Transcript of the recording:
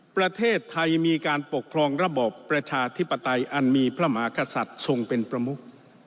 ประเทศไทยมีการปกครองระบอบประชาธิปไตยอันมีพระมหากษัตริย์ทรงเป็นประมุก